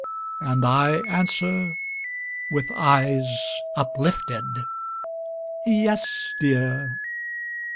And I answer, with eyes uplifted, "Yes, dear!